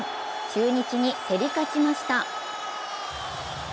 中日に競り勝ちました。